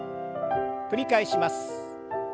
繰り返します。